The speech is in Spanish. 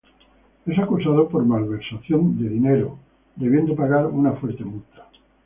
Es acusado por malversación de dinero, debiendo pagar una fuerte multa.